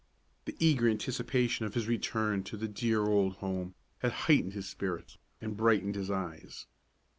The eager anticipation of his return to the dear old home had heightened his spirits, and brightened his eyes.